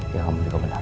ya kamu juga benar